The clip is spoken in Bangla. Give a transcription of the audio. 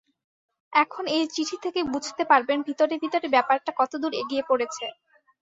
এখন এই চিঠি থেকেই বুঝতে পারবেন ভিতরে ভিতরে ব্যাপারটা কতদূর এগিয়ে পড়েছে।